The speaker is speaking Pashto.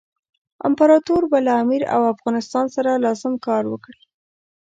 امپراطور به له امیر او افغانستان سره لازم کار وکړي.